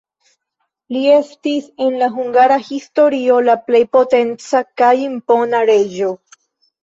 Li estis en la hungara historio la plej potenca kaj impona reĝo.